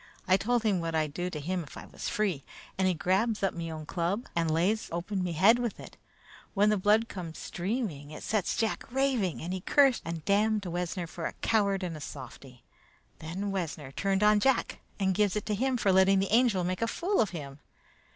I told him what I'd do to him if I was free, and he grabs up me own club and lays open me head with it. When the blood came streaming, it set Jack raving, and he cursed and damned Wessner for a coward and a softy. Then Wessner turned on Jack and gives it to him for letting the Angel make a fool of him.